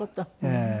ええ。